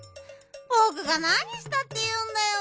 ぼくがなにしたっていうんだよ。